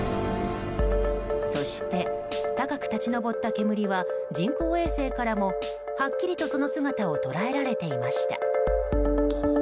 そして、高く立ち上った煙は人工衛星からも、はっきりとその姿を捉えられていました。